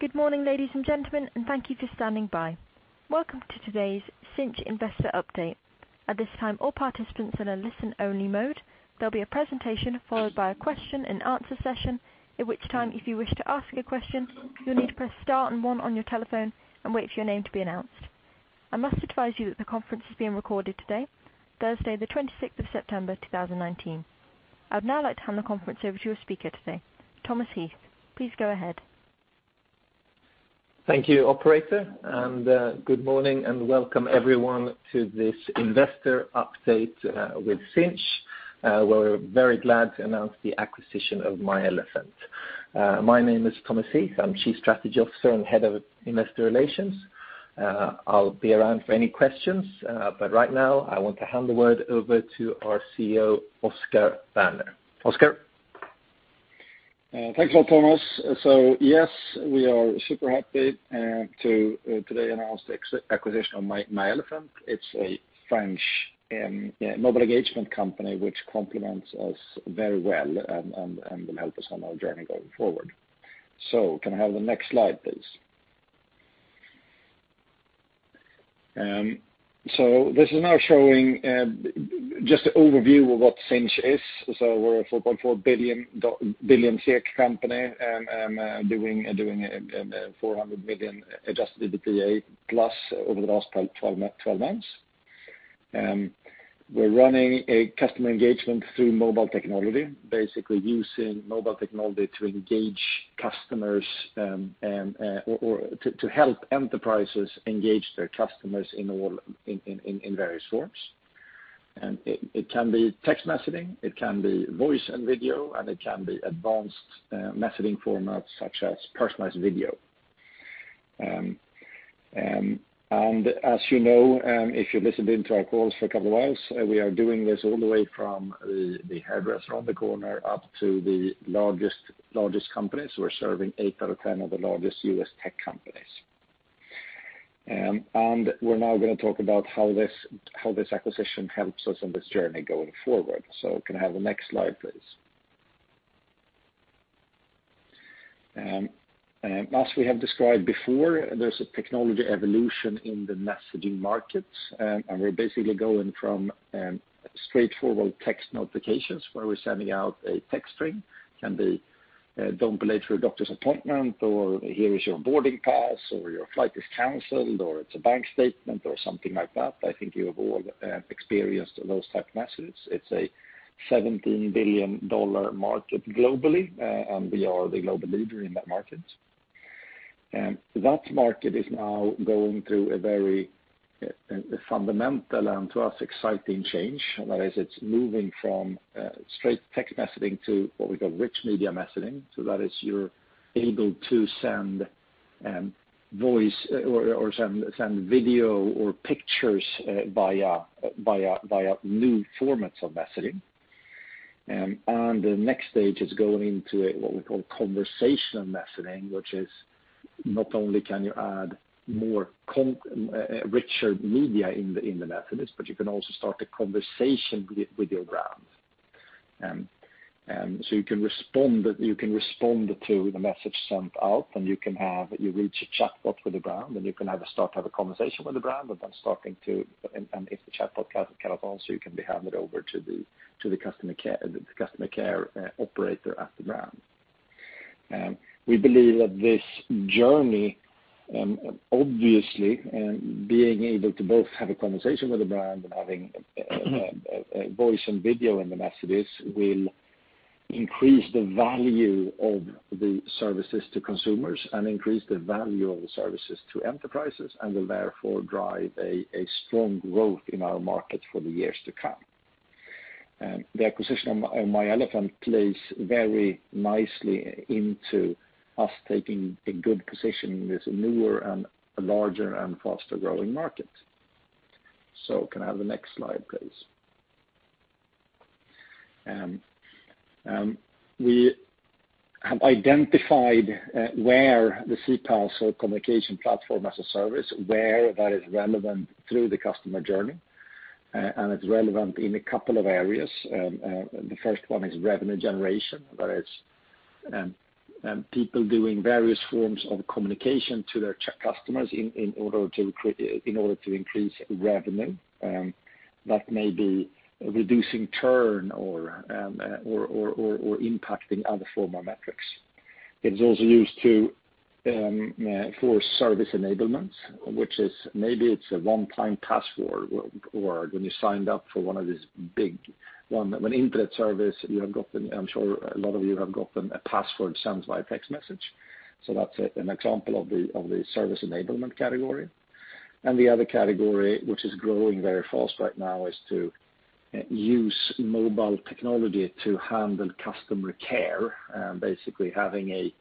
Good morning, ladies and gentlemen, and thank you for standing by. Welcome to today's Sinch Investor Update. At this time, all participants are in listen only mode. There'll be a presentation followed by a question and answer session. At which time, if you wish to ask a question, you'll need to press star and one on your telephone and wait for your name to be announced. I must advise you that the conference is being recorded today, Thursday, the 26th of September, 2019. I would now like to hand the conference over to your speaker today, Thomas Heath. Please go ahead. Thank you, operator. Good morning and welcome everyone to this investor update with Sinch. We're very glad to announce the acquisition of myElefant. My name is Thomas Heath. I'm Chief Strategy Officer and Head of Investor Relations. I'll be around for any questions. Right now I want to hand the word over to our CEO, Oscar Werner. Oscar? Thanks a lot, Thomas. Yes, we are super happy to today announce the acquisition of myElefant. It's a French mobile engagement company, which complements us very well and will help us on our journey going forward. Can I have the next slide, please? This is now showing just an overview of what Sinch is. We're a 4.4 billion company, and doing a 400 million adjusted EBITDA plus over the last 12 months. We're running a customer engagement through mobile technology, basically using mobile technology to engage customers, or to help enterprises engage their customers in various forms. It can be text messaging, it can be voice and video, and it can be advanced messaging formats such as personalized video. As you know, if you listened in to our calls for a couple of months, we are doing this all the way from the hairdresser on the corner up to the largest companies. We're serving eight out of 10 of the largest U.S. tech companies. We're now going to talk about how this acquisition helps us on this journey going forward. Can I have the next slide, please? As we have described before, there's a technology evolution in the messaging market, and we're basically going from straightforward text notifications, where we're sending out a text string. Can be, "Don't be late for a doctor's appointment," or, "Here is your boarding pass," or, "Your flight is canceled," or it's a bank statement or something like that. I think you have all experienced those type messages. It's a SEK 17 billion market globally, and we are the global leader in that market. That market is now going through a very fundamental, and to us, exciting change. That is, it's moving from straight text messaging to what we call rich media messaging, so that is you're able to send voice or send video or pictures via new formats of messaging. The next stage is going into what we call conversational messaging, which is not only can you add more richer media in the messages, but you can also start a conversation with your brand. You can respond to the message sent out, and you can reach a chatbot for the brand, and you can have a conversation with the brand, if the chatbot cannot answer, you can be handed over to the customer care operator at the brand. We believe that this journey, obviously, being able to both have a conversation with the brand and having voice and video in the messages will increase the value of the services to consumers and increase the value of the services to enterprises, will therefore drive a strong growth in our market for the years to come. The acquisition of myElefant plays very nicely into us taking a good position in this newer and larger and faster-growing market. Can I have the next slide, please? We have identified where the CPaaS or communication platform as a service, where that is relevant through the customer journey. It's relevant in a couple of areas. The first one is revenue generation, where it's people doing various forms of communication to their customers in order to increase revenue. That may be reducing churn or impacting other formal metrics. It is also used for service enablement, which is maybe it's a one-time password, or when you signed up for one of these big internet service. I'm sure a lot of you have gotten a password sent via text message. That's an example of the service enablement category. The other category, which is growing very fast right now, is to use mobile technology to handle customer care. Basically having a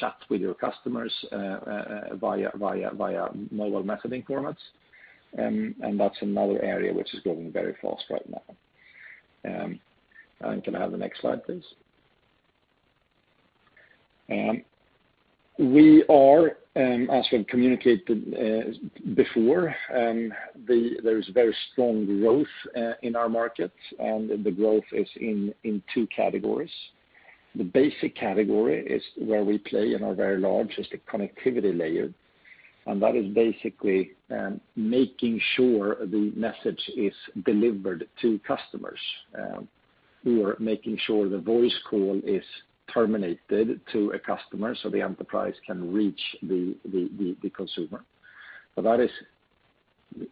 chat with your customers via mobile messaging formats. That's another area which is growing very fast right now. Can I have the next slide, please? As we've communicated before, there is very strong growth in our market, and the growth is in two categories. The basic category is where we play and are very large, is the connectivity layer. That is basically making sure the message is delivered to customers. We are making sure the voice call is terminated to a customer so the enterprise can reach the consumer. That is,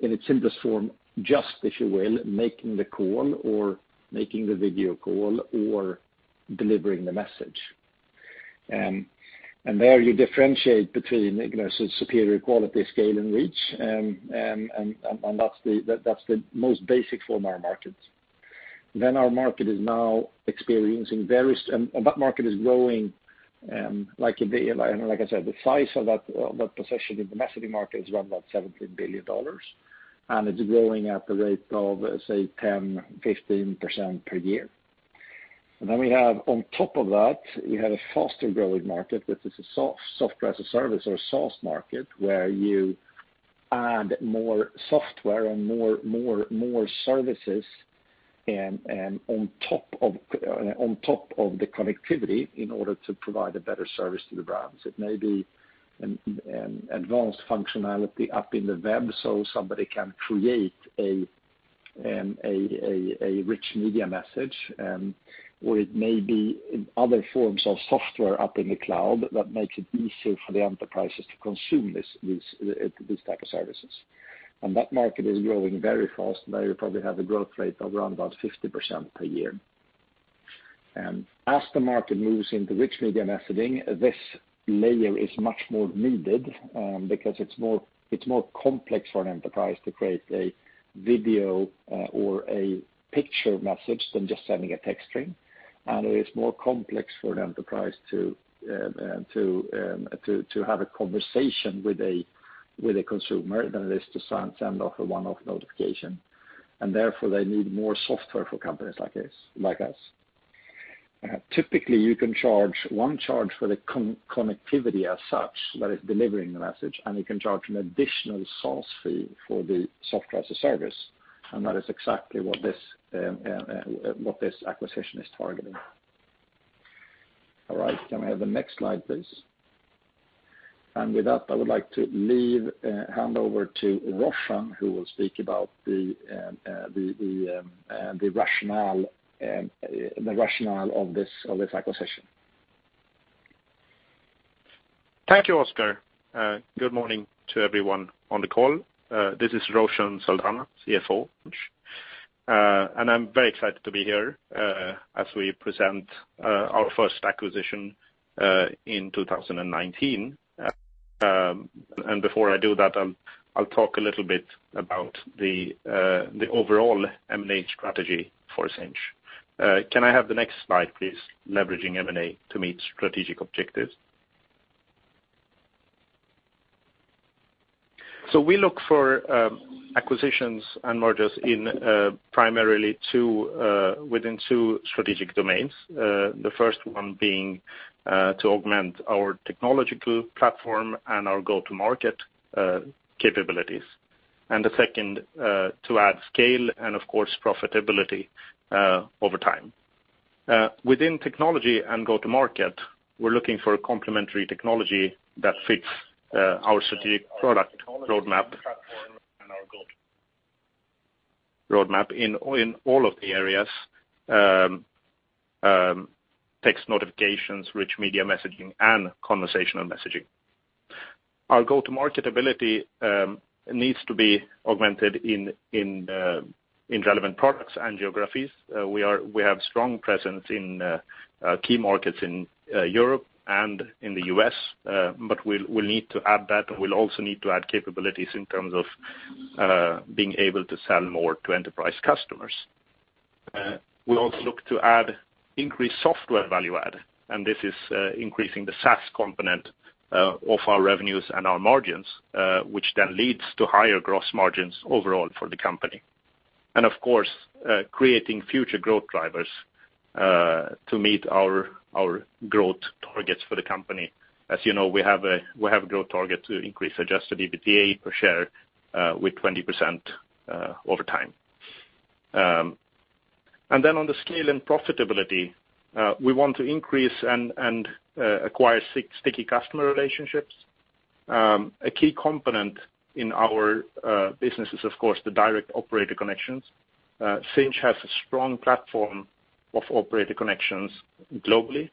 in its simplest form, just, if you will, making the call or making the video call or delivering the message. There you differentiate between superior quality, scale, and reach, and that's the most basic form our market. That market is growing. Like I said, the size of that position in the messaging market is around about SEK 17 billion. It's growing at the rate of, say, 10%-15% per year. Then we have on top of that, we have a faster-growing market, which is a software as a service or a SaaS market, where you add more software and more services on top of the connectivity in order to provide a better service to the brands. It may be an advanced functionality up in the web so somebody can create a rich media message. It may be other forms of software up in the cloud that makes it easier for the enterprises to consume these type of services. That market is growing very fast. You probably have a growth rate of around about 50% per year. As the market moves into rich media messaging, this layer is much more needed, because it's more complex for an enterprise to create a video or a picture message than just sending a text string. It is more complex for an enterprise to have a conversation with a consumer than it is to send off a one-off notification. Therefore, they need more software for companies like us. Typically, you can charge one charge for the connectivity as such, that is delivering the message, and you can charge an additional SaaS fee for the software as a service. That is exactly what this acquisition is targeting. All right. Can I have the next slide, please? With that, I would like to hand over to Roshan, who will speak about the rationale of this acquisition. Thank you, Oscar. Good morning to everyone on the call. This is Roshan Saldanha, CFO. I'm very excited to be here as we present our first acquisition in 2019. Before I do that, I'll talk a little bit about the overall M&A strategy for Sinch. Can I have the next slide, please? Leveraging M&A to meet strategic objectives. We look for acquisitions and mergers primarily within two strategic domains. The first one being to augment our technological platform and our go-to-market capabilities. The second, to add scale and of course, profitability over time. Within technology and go-to-market, we're looking for a complementary technology that fits our strategic product roadmap in all of the areas: text notifications, rich media messaging, and conversational messaging. Our go-to-market ability needs to be augmented in relevant products and geographies. We have strong presence in key markets in Europe and in the U.S., we'll need to add that, we'll also need to add capabilities in terms of being able to sell more to enterprise customers. We also look to add increased software value add, this is increasing the SaaS component of our revenues and our margins, which then leads to higher gross margins overall for the company. Of course, creating future growth drivers to meet our growth targets for the company. As you know, we have a growth target to increase adjusted EBITDA per share with 20% over time. Then on the scale and profitability, we want to increase and acquire sticky customer relationships. A key component in our business is, of course, the direct operator connections. Sinch has a strong platform of operator connections globally.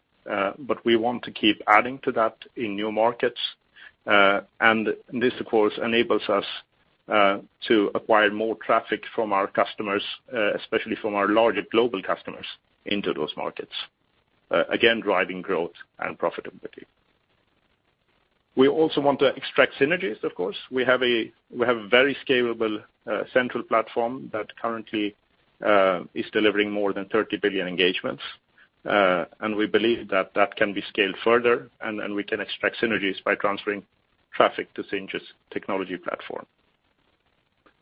We want to keep adding to that in new markets. This, of course, enables us to acquire more traffic from our customers, especially from our larger global customers into those markets. Again, driving growth and profitability. We also want to extract synergies, of course. We have a very scalable central platform that currently is delivering more than 30 billion engagements. We believe that that can be scaled further, and we can extract synergies by transferring traffic to Sinch's technology platform.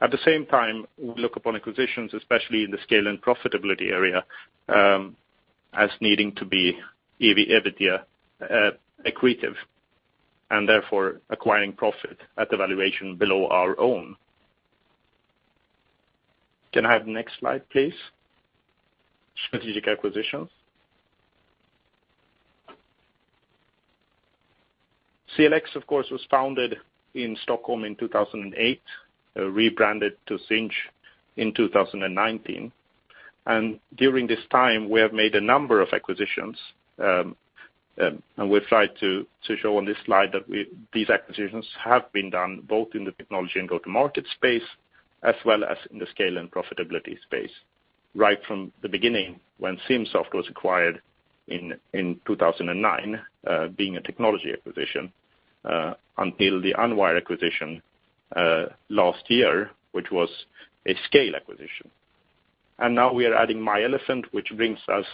At the same time, we look upon acquisitions, especially in the scale and profitability area, as needing to be EBITDA accretive, and therefore acquiring profit at the valuation below our own. Can I have the next slide, please? Strategic acquisitions. CLX, of course, was founded in Stockholm in 2008, rebranded to Sinch in 2019. During this time, we have made a number of acquisitions. We've tried to show on this slide that these acquisitions have been done both in the technology and go-to-market space, as well as in the scale and profitability space. Right from the beginning, when Symsoft was acquired in 2009, being a technology acquisition, until the Unwire acquisition last year, which was a scale acquisition. Now we are adding myElefant, which brings us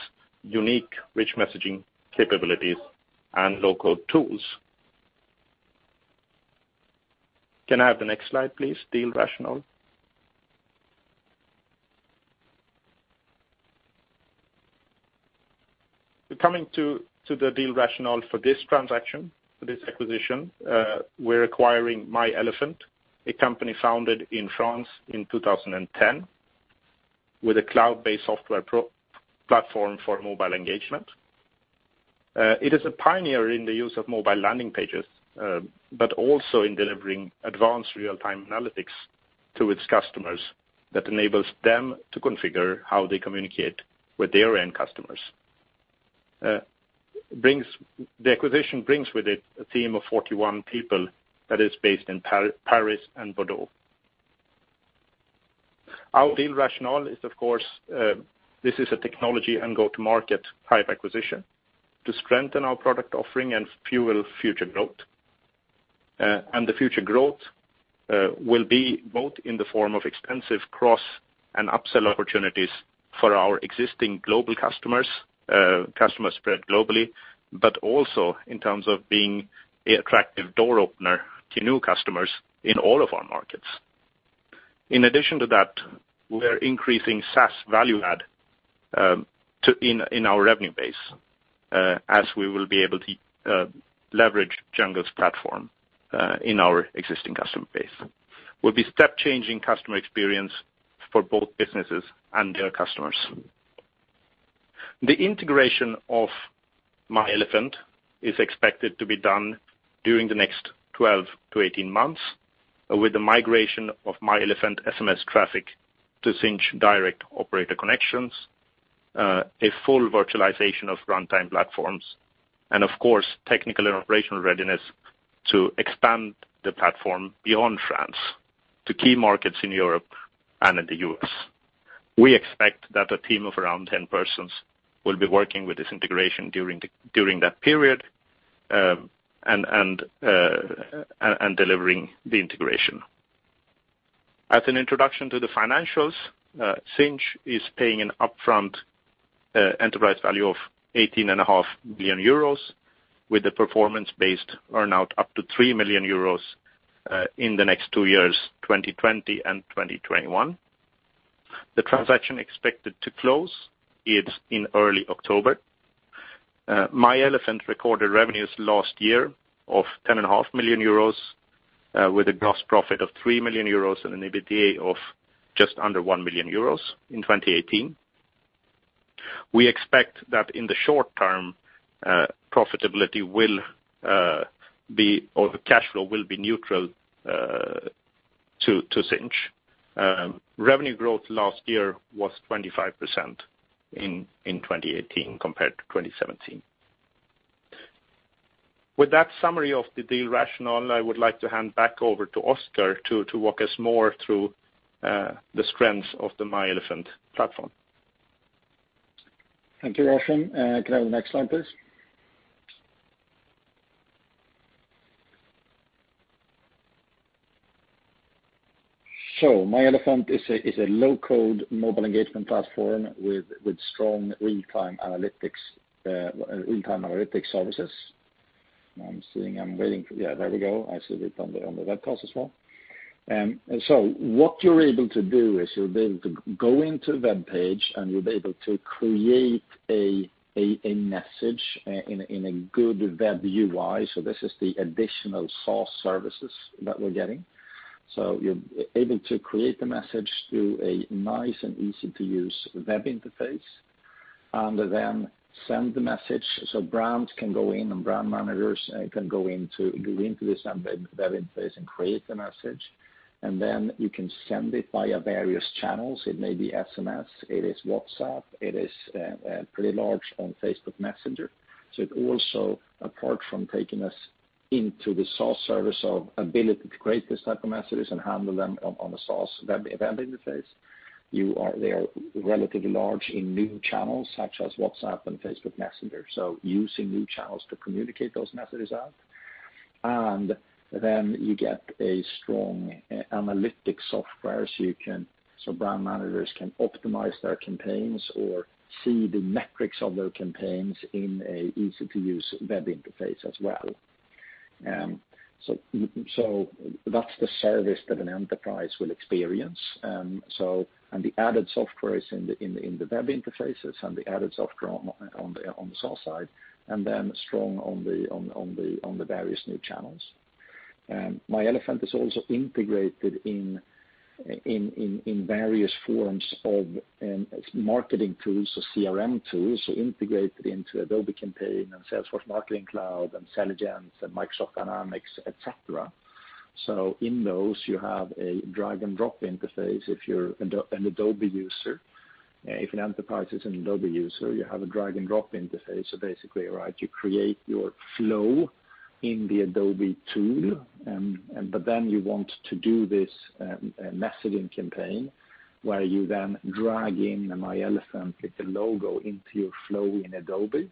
unique, rich messaging capabilities and low-code tools. Can I have the next slide, please? Deal rationale. Coming to the deal rationale for this transaction, for this acquisition. We're acquiring myElefant, a company founded in France in 2010, with a cloud-based software platform for mobile engagement. It is a pioneer in the use of mobile landing pages, but also in delivering advanced real-time analytics to its customers that enables them to configure how they communicate with their end customers. The acquisition brings with it a team of 41 people that is based in Paris and Bordeaux. Our deal rationale is, of course, this is a technology and go-to-market type acquisition to strengthen our product offering and fuel future growth. The future growth will be both in the form of expansive cross and upsell opportunities for our existing global customers spread globally, but also in terms of being an attractive door opener to new customers in all of our markets. In addition to that, we are increasing SaaS value add in our revenue base, as we will be able to leverage Jungle's platform in our existing customer base. We'll be step-changing customer experience for both businesses and their customers. The integration of myElefant is expected to be done during the next 12-18 months, with the migration of myElefant SMS traffic to Sinch direct operator connections, a full virtualization of runtime platforms, and of course, technical and operational readiness to expand the platform beyond France to key markets in Europe and in the U.S. We expect that a team of around 10 persons will be working with this integration during that period, and delivering the integration. As an introduction to the financials, Sinch is paying an upfront enterprise value of 18.5 million euros with a performance-based earn-out up to 3 million euros in the next two years, 2020 and 2021. The transaction expected to close is in early October. myElefant recorded revenues last year of 10.5 million euros, with a gross profit of 3 million euros and an EBITDA of just under 1 million euros in 2018. We expect that in the short term, profitability or the cash flow will be neutral to Sinch. Revenue growth last year was 25% in 2018 compared to 2017. With that summary of the deal rationale, I would like to hand back over to Oscar to walk us more through the strengths of the myElefant platform. Thank you, Roshan. Can I have the next slide, please? MyElefant is a low-code mobile engagement platform with strong real-time analytics services. I'm waiting for Yeah, there we go. I see it on the webcast as well. What you're able to do is you'll be able to go into a webpage and you'll be able to create a message in a good web UI. This is the additional SaaS services that we're getting. You're able to create the message through a nice and easy-to-use web interface, and then send the message. Brands can go in and brand managers can go into this web interface and create the message. Then you can send it via various channels. It may be SMS, it is WhatsApp, it is pretty large on Facebook Messenger. It also, apart from taking us into the SaaS service of ability to create these type of messages and handle them on a SaaS web event interface, they are relatively large in new channels, such as WhatsApp and Facebook Messenger. Using new channels to communicate those messages out. You get a strong analytics software, so brand managers can optimize their campaigns or see the metrics of their campaigns in an easy-to-use web interface as well. That's the service that an enterprise will experience. The added software is in the web interfaces, and the added software on the cell site, and then strong on the various new channels. myElefant is also integrated in various forms of marketing tools or CRM tools, so integrated into Adobe Campaign and Salesforce Marketing Cloud and Selligent and Microsoft Dynamics, et cetera. In those, you have a drag and drop interface if you're an Adobe user. If an enterprise is an Adobe user, you have a drag and drop interface. Basically, you create your flow in the Adobe tool, but then you want to do this messaging campaign, where you then drag in myElefant with the logo into your flow in Adobe.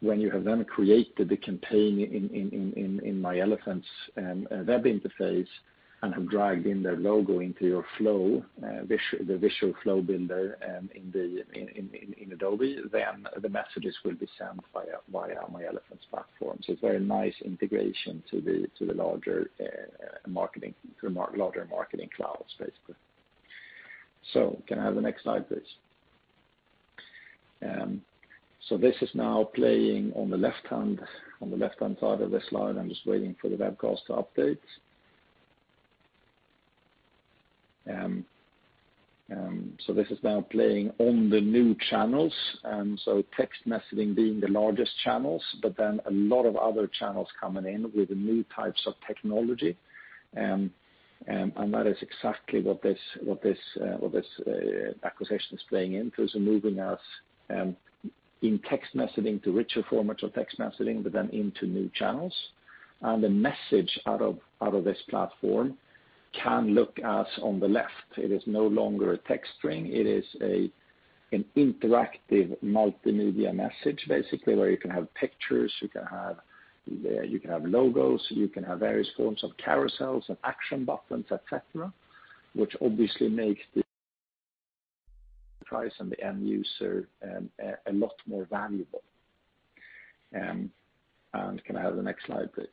When you have then created the campaign in myElefant's web interface and have dragged in their logo into your flow, the visual flow builder in Adobe, then the messages will be sent via myElefant's platform. It's very nice integration to the larger marketing clouds, basically. Can I have the next slide, please? This is now playing on the left-hand side of the slide. I'm just waiting for the webcast to update. This is now playing on the new channels. Text messaging being the largest channels, but then a lot of other channels coming in with new types of technology. That is exactly what this acquisition is playing into, is moving us in text messaging to richer formats of text messaging, but then into new channels. The message out of this platform can look as on the left. It is no longer a text string. It is an interactive multimedia message, basically, where you can have pictures, you can have logos, you can have various forms of carousels and action buttons, et cetera, which obviously makes the price on the end user a lot more valuable. Can I have the next slide, please?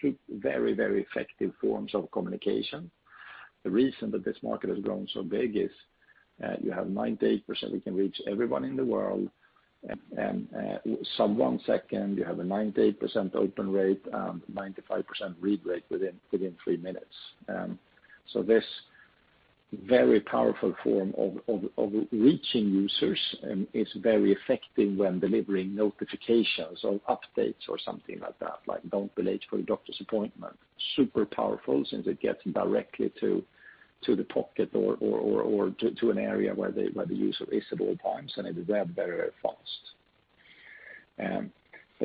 Two very effective forms of communication. The reason that this market has grown so big is you have 98%, we can reach everyone in the world in some one second. You have a 98% open rate, 95% read rate within three minutes. This very powerful form of reaching users is very effective when delivering notifications or updates or something like that, like don't be late for your doctor's appointment. Super powerful since it gets directly to the pocket or to an area where the user is at all times, and it is read very fast.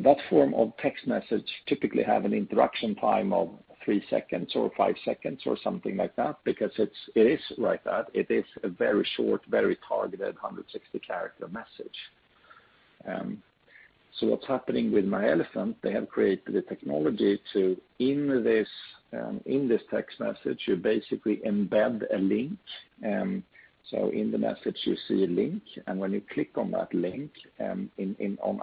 That form of text message typically have an interaction time of three seconds or five seconds or something like that because it is like that. It is a very short, very targeted 160-character message. What's happening with myElefant, they have created a technology to, in this text message, you basically embed a link. In the message, you see a link, and when you click on that link, on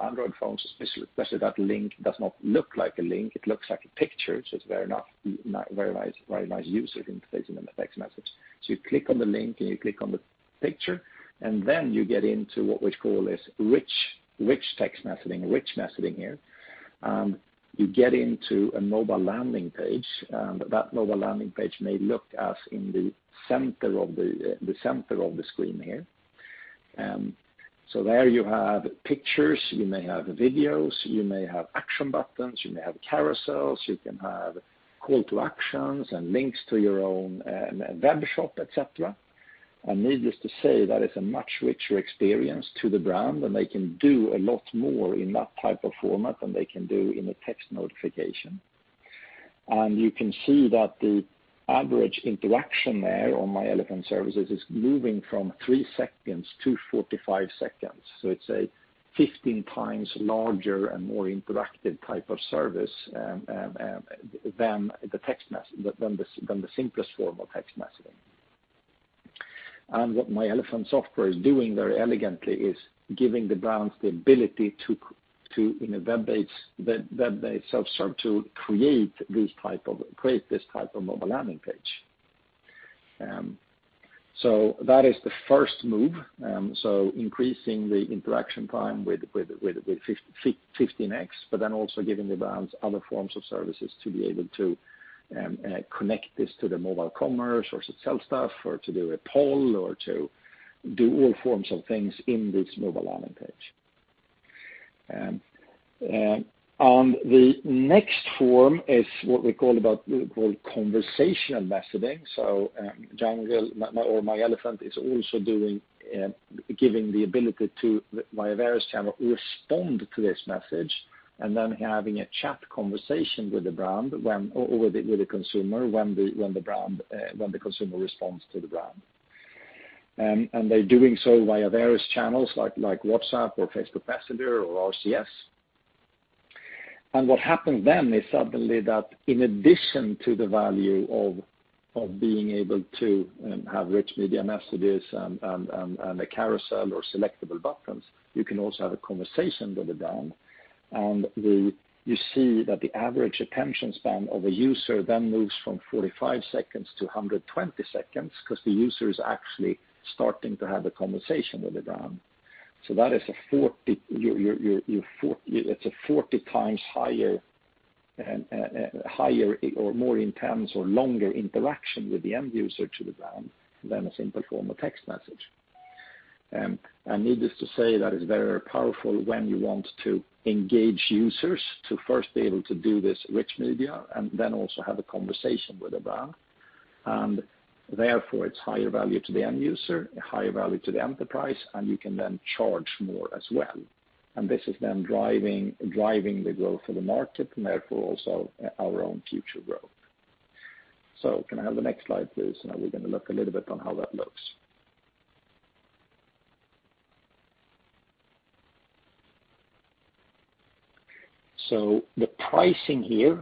Android phones especially, that link does not look like a link. It looks like a picture. It's very nice user interface in the text message. You click on the link, you click on the picture, then you get into what we call this rich text messaging, rich messaging here. You get into a mobile landing page. That mobile landing page may look as in the center of the screen here. There you have pictures, you may have videos, you may have action buttons, you may have carousels, you can have call to actions and links to your own web shop, et cetera. Needless to say, that is a much richer experience to the brand, and they can do a lot more in that type of format than they can do in a text notification. You can see that the average interaction there on myElefant services is moving from three seconds to 45 seconds. It's a 15 times larger and more interactive type of service than the simplest form of text messaging. What myElefant software is doing very elegantly is giving the brands the ability to, in a web-based self-serve, to create this type of mobile landing page. That is the first move. Increasing the interaction time with 15x, also giving the brands other forms of services to be able to connect this to their mobile commerce or to sell stuff or to do a poll or to do all forms of things in this mobile landing page. The next form is what we call conversational messaging. Jungle or myElefant is also giving the ability to, via various channel, respond to this message and then having a chat conversation with the brand or with the consumer when the consumer responds to the brand. They're doing so via various channels like WhatsApp or Facebook Messenger or RCS. What happens then is suddenly that in addition to the value of being able to have rich media messages and a carousel or selectable buttons, you can also have a conversation with the brand. You see that the average attention span of a user then moves from 45 seconds to 120 seconds because the user is actually starting to have a conversation with the brand. That's a 40 times higher or more intense or longer interaction with the end user to the brand than a simple form of text message. Needless to say, that is very powerful when you want to engage users to first be able to do this rich media and then also have a conversation with the brand. Therefore, it's higher value to the end user, higher value to the enterprise, and you can then charge more as well. This is then driving the growth of the market and therefore also our own future growth. Can I have the next slide, please? We're going to look a little bit on how that looks. The pricing here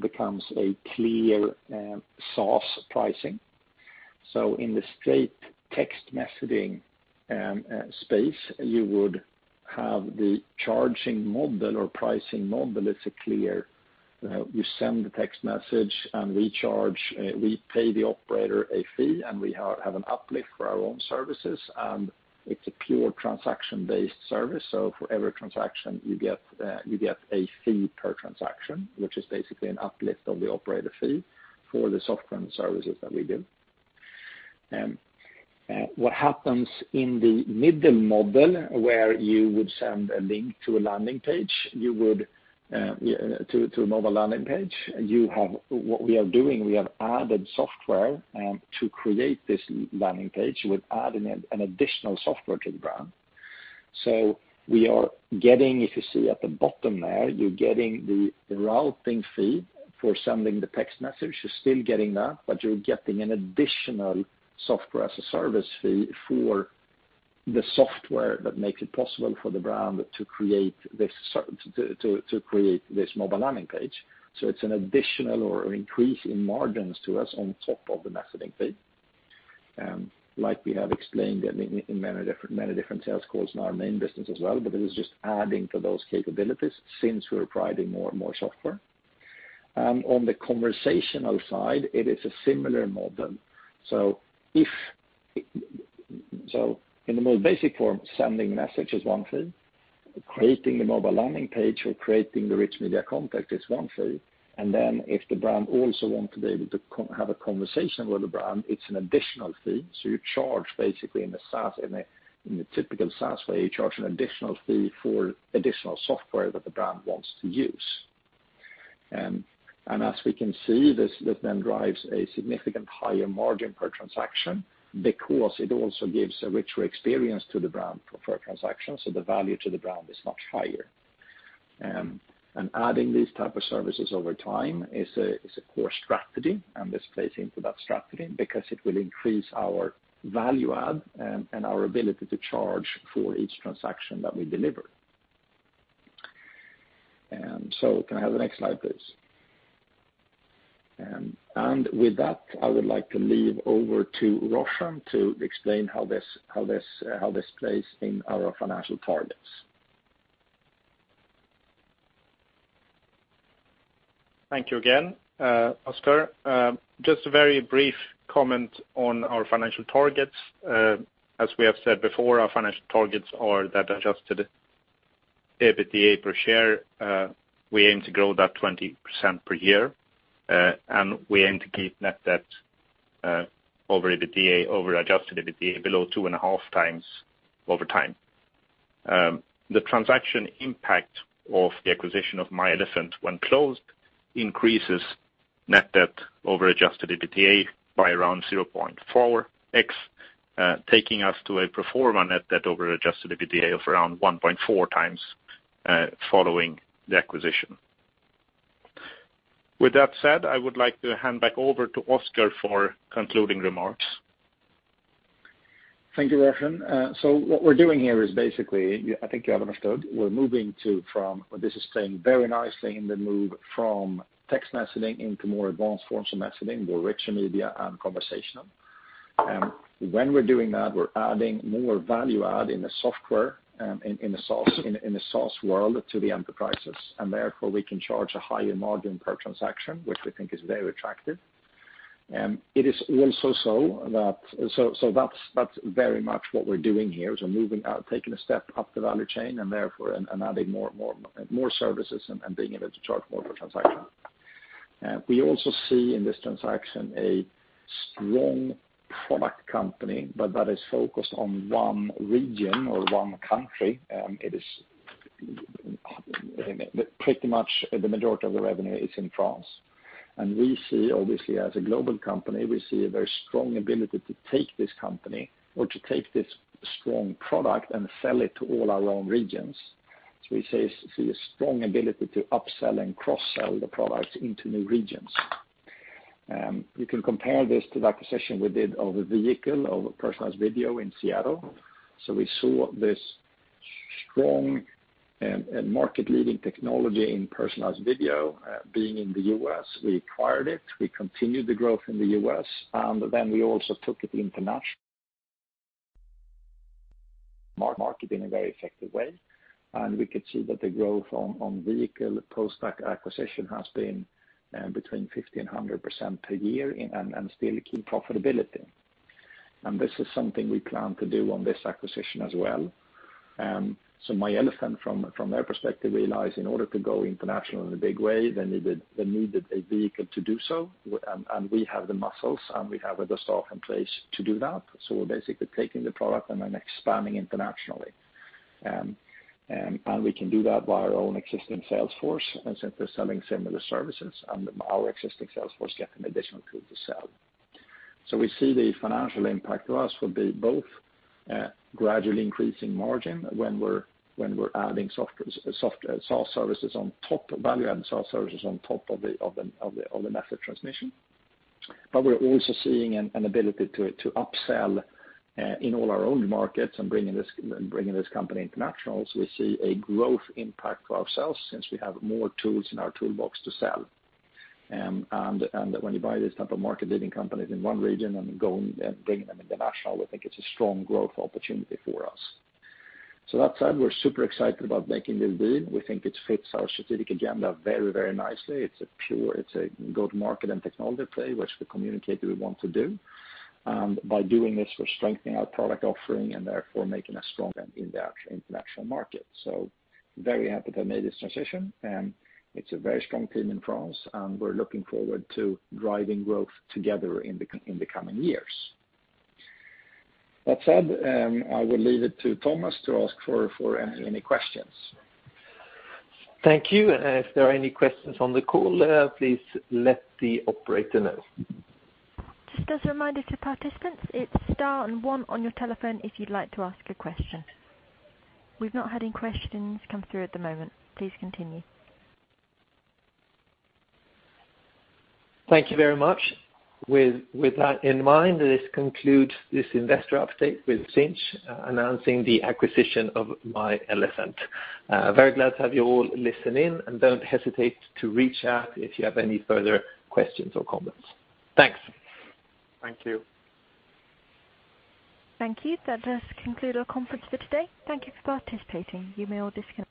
becomes a clear SaaS pricing. In the straight text messaging space, you would have the charging model or pricing model. It's clear. You send the text message and we pay the operator a fee, and we have an uplift for our own services, and it's a pure transaction-based service. For every transaction, you get a fee per transaction, which is basically an uplift on the operator fee for the software and services that we do. What happens in the middle model where you would send a link to a mobile landing page, what we are doing, we have added software to create this landing page with adding an additional software to the brand. We are getting, if you see at the bottom there, you're getting the routing fee for sending the text message. You're still getting that, but you're getting an additional Software as a Service fee for the software that makes it possible for the brand to create this mobile landing page. It's an additional or increase in margins to us on top of the messaging fee. Like we have explained in many different sales calls in our main business as well, but it is just adding to those capabilities since we're providing more and more software. On the conversational side, it is a similar model. In the most basic form, sending message is one fee. Creating the mobile landing page or creating the rich media content is one fee. If the brand also want to be able to have a conversation with the brand, it's an additional fee. You charge basically in the typical SaaS way, you charge an additional fee for additional software that the brand wants to use. As we can see, this then drives a significant higher margin per transaction because it also gives a richer experience to the brand per transaction. The value to the brand is much higher. Adding these type of services over time is a core strategy, and this plays into that strategy because it will increase our value add and our ability to charge for each transaction that we deliver. Can I have the next slide, please? With that, I would like to leave over to Roshan to explain how this plays in our financial targets. Thank you again, Oscar. Just a very brief comment on our financial targets. As we have said before, our financial targets are that adjusted EBITDA per share, we aim to grow that 20% per year, and we aim to keep net debt over adjusted EBITDA below 2.5 times over time. The transaction impact of the acquisition of myElefant when closed increases net debt over adjusted EBITDA by around 0.4x, taking us to a pro forma net debt over adjusted EBITDA of around 1.4 times following the acquisition. With that said, I would like to hand back over to Oscar for concluding remarks. Thank you, Roshan. What we're doing here is basically, I think you have understood, this is playing very nicely in the move from text messaging into more advanced forms of messaging, more richer media and conversational. When we're doing that, we're adding more value add in the software, in the SaaS world to the enterprises, and therefore we can charge a higher margin per transaction, which we think is very attractive. That's very much what we're doing here, is we're taking a step up the value chain and therefore adding more services and being able to charge more per transaction. We also see in this transaction a strong product company, but that is focused on one region or one country. Pretty much the majority of the revenue is in France. We see, obviously, as a global company, we see a very strong ability to take this company or to take this strong product and sell it to all our own regions. We see a strong ability to upsell and cross-sell the products into new regions. You can compare this to that acquisition we did of a Vehicle of a personalized video in Seattle. We saw this strong and market-leading technology in personalized video being in the U.S. We acquired it, we continued the growth in the U.S., and then we also took it international. Market in a very effective way, and we could see that the growth on Vehicle post-acquisition has been between 50% and 100% per year, and still keep profitability. This is something we plan to do on this acquisition as well. myElefant from their perspective realized in order to go international in a big way, they needed a Vehicle to do so. We have the muscles, and we have the staff in place to do that. We're basically taking the product and then expanding internationally. We can do that by our own existing sales force. Since they're selling similar services and our existing sales force get an additional tool to sell. We see the financial impact to us will be both gradually increasing margin when we're adding value-added SaaS services on top of the message transmission. We're also seeing an ability to upsell in all our own markets and bringing this company international. We see a growth impact for ourselves since we have more tools in our toolbox to sell. When you buy these type of market-leading companies in one region and bringing them international, we think it's a strong growth opportunity for us. That said, we're super excited about making this deal. We think it fits our strategic agenda very, very nicely. It's a go-to-market and technology play, which we communicated we want to do. By doing this, we're strengthening our product offering and therefore making us stronger in the international market. Very happy to have made this transition. It's a very strong team in France, and we're looking forward to driving growth together in the coming years. That said, I will leave it to Thomas to ask for any questions. Thank you. If there are any questions on the call, please let the operator know. Just as a reminder to participants, it's star and one on your telephone if you'd like to ask a question. We've not had any questions come through at the moment. Please continue. Thank you very much. With that in mind, this concludes this investor update with Sinch announcing the acquisition of myElefant. Very glad to have you all listen in, and don't hesitate to reach out if you have any further questions or comments. Thanks. Thank you. Thank you. That does conclude our conference for today. Thank you for participating. You may all disconnect.